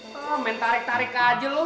main tarik tarik aja loh